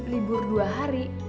libur dua hari